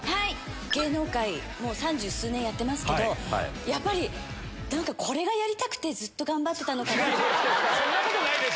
芸能界三十数年やってますけど、やっぱりなんか、これがやりたくてずっと頑張ってたのかなっそんなことないでしょ。